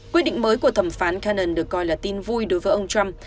quyết định mới của thẩm phán canon được coi là tin vui đối với ông trump